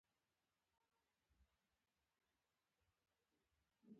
د يوه رقابتي چاپېريال په رامنځته کولو سره غني کړې.